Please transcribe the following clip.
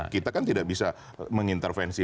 kita kan tidak bisa mengintervensi